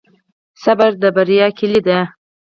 صبر د بریا کیلي ده.